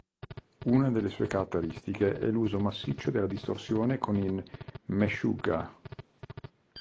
Una delle sue caratteristiche è l'uso massiccio della distorsione con i Meshuggah.